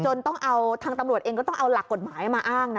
ต้องเอาทางตำรวจเองก็ต้องเอาหลักกฎหมายมาอ้างนะ